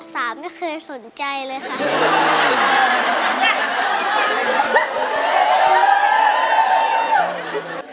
สามไม่เคยสนใจเลยค่ะ